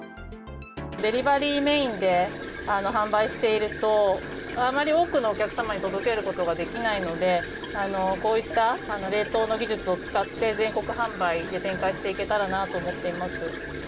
デリバリーメインで販売していると、あまり多くのお客様に届けることができないので、こういった冷凍の技術を使って、全国販売で展開していけたらなと思っています。